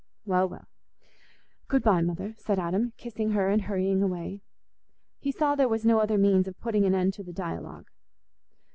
"Well, well; good bye, mother," said Adam, kissing her and hurrying away. He saw there was no other means of putting an end to the dialogue.